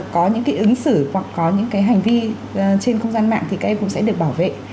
có những cái ứng xử hoặc có những cái hành vi trên không gian mạng thì các em cũng sẽ được bảo vệ